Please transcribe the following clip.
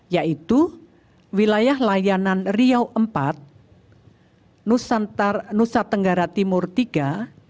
yaitu wilayah layanan riau empat nusa tenggara timur iii